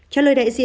trả lời đại diện